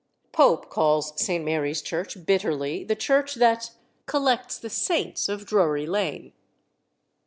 Pope calls St. Mary's Church bitterly the church that Collects "the saints of Drury Lane."